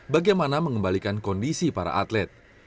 bagaimana mengembalikan kondisi para atlet